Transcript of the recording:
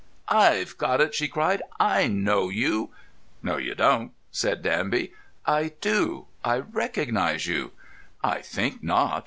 "I've got it!" she cried. "I know you." "No, you don't," said Danby. "I do. I recognise you." "I think not.